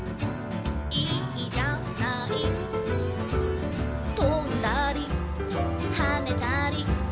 「いいじゃない」「とんだりはねたり」